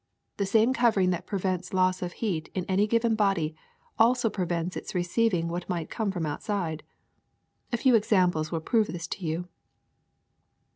The same covering that prevents loss of heat in any given body also prevents its receiving what might come from outside. A few examples will prove this to you.